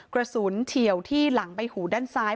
กระสุนเถียวที่หลังไปหูด้านซ้าย